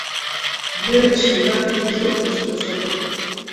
دوێنێ شەو کاتێکی زۆر خۆشم بەسەر برد.